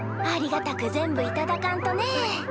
ありがたく全部頂かんとねえ。